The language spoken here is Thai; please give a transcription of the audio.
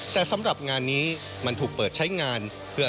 แต่สำหรับงานนี้มันถูกเปิดใช้งานเพื่อ